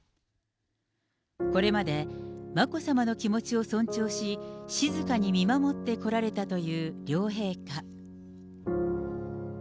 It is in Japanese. これまで眞子さまの気持ちを尊重し、静かに見守ってこられたという両陛下。